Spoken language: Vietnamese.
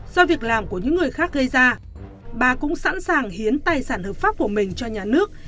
do việc làm của những người khác gây ra bà cũng sẵn sàng hiến tài sản hợp pháp của mình cho nhà nước